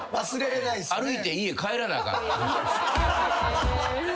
歩いて家帰らなあかんから。